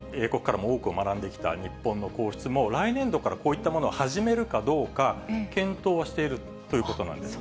それが実はこれまで、英国からも多くを学んできた日本の皇室も、来年度からこういったものを始めるかどうか、検討はしているということなんです。